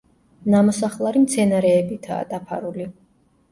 ნამოსახლარი მცენარეებითაა დაფარული.